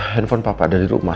handphone papa ada di rumah